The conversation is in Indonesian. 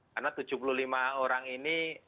karena tujuh puluh lima orang ini